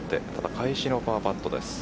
返しのパーパットです。